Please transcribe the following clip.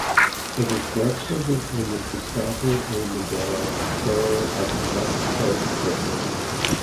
It is located in the Gustavo A. Madero borough of Mexico City.